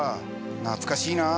懐かしいなあ。